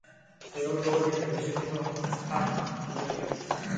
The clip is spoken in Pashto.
په یوه ډول یې د بشري حق مخنیوی کوي.